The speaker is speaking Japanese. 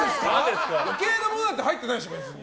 余計なものなんて入ってないでしょ、別に。